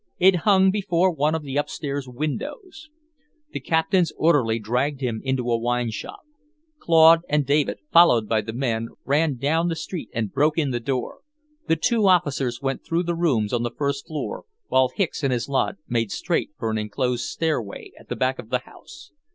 It hung before one of the upstairs windows. The Captain's orderly dragged him into a wineshop. Claude and David, followed by the men, ran down the street and broke in the door. The two officers went through the rooms on the first floor, while Hicks and his lot made straight for an enclosed stairway at the back of the house.